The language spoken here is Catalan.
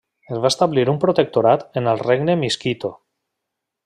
Es va establir un protectorat en el regne miskito.